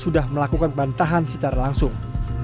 sudah melakukan bantahan secara langsung